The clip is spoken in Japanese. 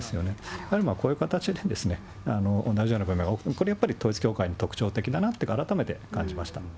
やはりこういう形で、同じような、これやっぱり統一教会の特徴的だなと、改めて感じました。